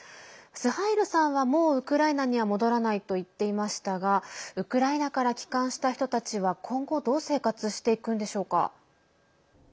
スハイルさんはもうウクライナには戻らないと言っていましたがウクライナから帰還した人たちは今後どう生活していくんでしょうか？